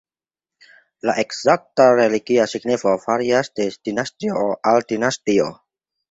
La ekzakta religia signifo varias de dinastio al dinastio.